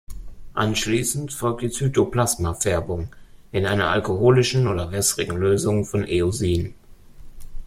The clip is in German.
Anschließend folgt die Zytoplasma-Färbung in einer alkoholischen oder wässrigen Lösung von Eosin.